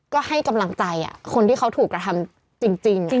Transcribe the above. ก็ให้กำลังใจคนที่เขาถูกกระทำจริง